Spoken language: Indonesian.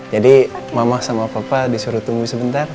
jadi mama sama papa disuruh tunggu sebentar